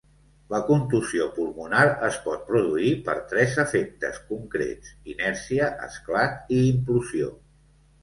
La contusió pulmonar es pot produir per tres efectes concrets, inèrcia, esclat, i implosió.